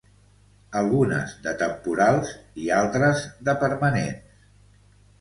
Algunes de temporals i altres de permanents.